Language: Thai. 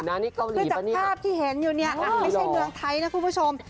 น่ะนี่เกาหลีปะเนี้ยจากภาพที่เห็นอยู่เนี้ยอ่ะไม่ใช่เมืองไทยนะคุณผู้ชม